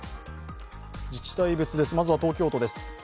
自治体別です、まずは東京都です。